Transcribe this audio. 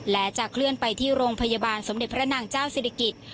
และจะเคลื่อนไปที่โรงพยาบาลสมเด็จพระนางเจ้าศิริกิจ